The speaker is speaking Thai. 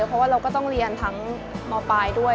เพราะว่าเราก็ต้องเรียนทั้งมปลายด้วย